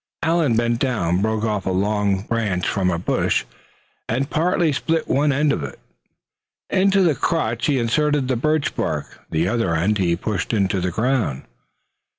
He bent down, broke off a long wand from a bush, and seemed to partly split one end of this. Into the crotch he inserted the birch bark. The other end he pushed into the ground.